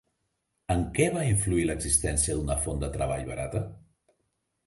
En què va influir l'existència d'una font de treball barata?